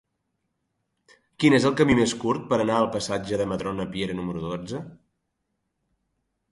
Quin és el camí més curt per anar al passatge de Madrona Piera número dotze?